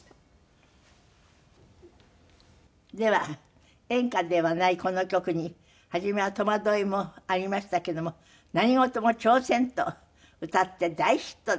では演歌ではないこの曲に初めは戸惑いもありましたけども何事も挑戦と歌って大ヒットです。